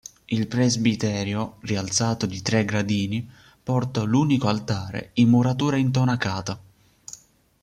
Il presbiterio, rialzato di tre gradini, porta l'unico altare in muratura intonacata.